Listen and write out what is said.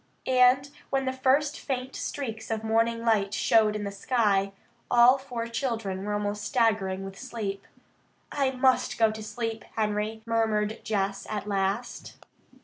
And when the first faint streaks of morning light showed in the sky, all four children were almost staggering with sleep. "I must go to sleep, Henry," murmured Jess at last.